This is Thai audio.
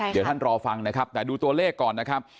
เดี๋ยวท่านรอฟังนะครับแต่ดูตัวเลขก่อนนะครับ